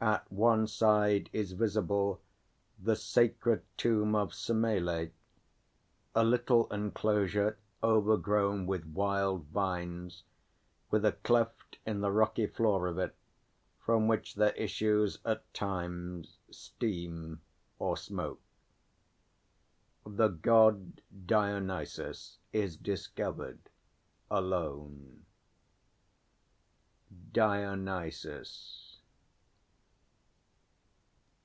At one side is visible the sacred Tomb of Semelê, a little enclosure overgrown with wild vines, with a cleft in the rocky floor of it from which there issues at times steam or smoke. The God_ DIONYSUS is discovered alone. DIONYSUS.